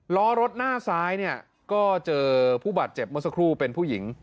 ล้อรถหน้าซ้ายเนี่ยก็เจอผู้บาดเจ็บเมื่อสักครู่เป็นผู้หญิง